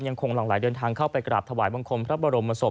หลั่งไหลเดินทางเข้าไปกราบถวายบังคมพระบรมศพ